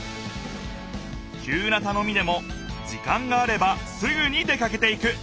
きゅうなたのみでも時間があればすぐに出かけていく。